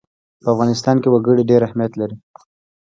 په افغانستان کې وګړي ډېر اهمیت لري.